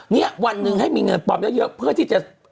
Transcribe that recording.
เนี่ยวันหนึ่งให้มีเงินปลอมเยอะเพื่อที่จะ